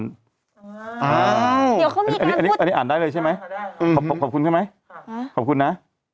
ก็มีอันนี้อ่อนได้เลยใช่ไหมขอบคุณนะ